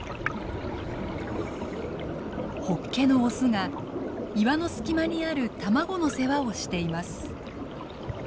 ホッケのオスが岩の隙間にある卵の世話をしています。